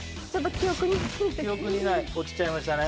記憶にない落ちちゃいましたね。